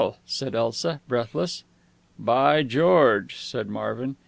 _" said Elsa, breathless. "By George!" said Marvin.